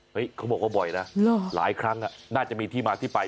เขาบอกว่าบ่อยนะหลายครั้งน่าจะมีที่มาที่ไป